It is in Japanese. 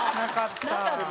なかった。